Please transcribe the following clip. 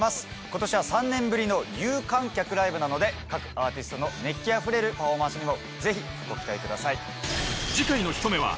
今年は３年ぶりの有観客ライブなので各アーティストの熱気あふれるパフォーマンスにもぜひご期待ください。